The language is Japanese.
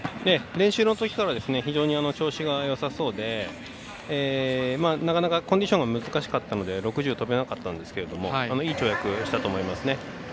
練習のときから非常に調子がよさそうでなかなか、コンディションが難しかったので６０跳べなかったんですけどいい跳躍したと思いますね。